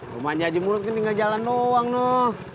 rumahnya haji murad kan tinggal jalan doang noh